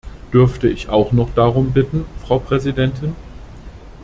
Dürfte ich auch noch darum bitten, Frau Präsidentin?